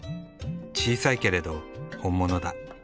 小さいけれど本物だ。